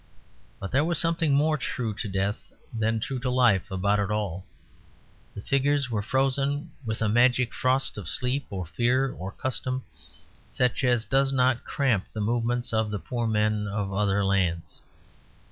But there was something more true to death than true to life about it all: the figures were frozen with a magic frost of sleep or fear or custom such as does not cramp the movements of the poor men of other lands.